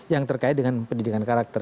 yang terkait dengan pendidikan karakter